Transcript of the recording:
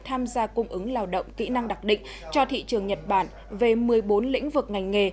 tham gia cung ứng lao động kỹ năng đặc định cho thị trường nhật bản về một mươi bốn lĩnh vực ngành nghề